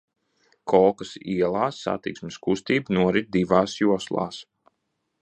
Kolkas ielā satiksmes kustība norit divās joslās.